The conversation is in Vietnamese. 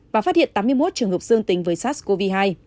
và phát hiện tám mươi một trường hợp dương tính với sars cov hai